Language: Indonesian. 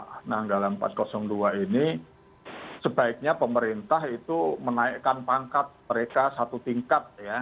nah nanggala empat ratus dua ini sebaiknya pemerintah itu menaikkan pangkat mereka satu tingkat ya